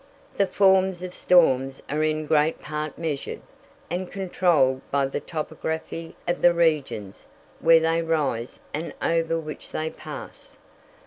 The forms of storms are in great part measured, and controlled by the topography of the regions where they rise and over which they pass.